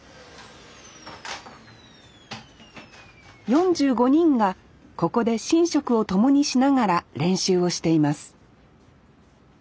４５人がここで寝食を共にしながら練習をしています。